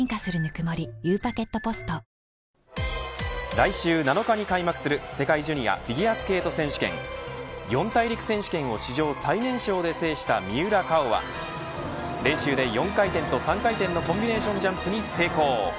来週７日に開幕する世界ジュニアフィギュアスケート選手権四大陸選手権を史上最年少で制した三浦佳生は練習で４回転と３回転のコンビネーションジャンプに成功。